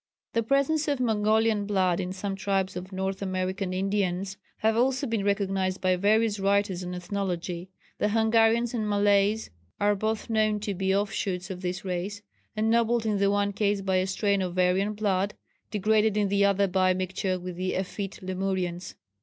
The presence of Mongolian blood in some tribes of North American Indians has also been recognized by various writers on ethnology. The Hungarians and Malays are both known to be offshoots of this race, ennobled in the one case by a strain of Aryan blood, degraded in the other by mixture with the effete Lemurians.